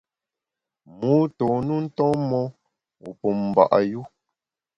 Mû tôn u nton mon, wu pum mba’ yu.